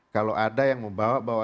kalau ada yang membawa